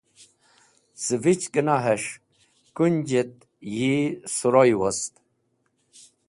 Ce Vich gẽnahes̃h kunj et yi Suroy wost.